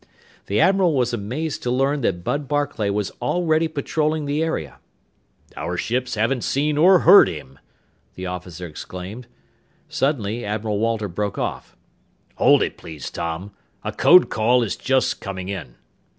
The admiral was amazed to learn that Bud Barclay was already patrolling the area. "Our ships haven't seen or heard him!" the officer exclaimed. Suddenly Admiral Walter broke off. "Hold it, please, Tom! A code call is just coming in!"